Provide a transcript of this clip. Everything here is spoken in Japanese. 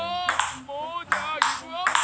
もうじゃあギブアップ！